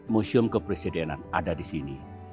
museum kepresidenan ada di sini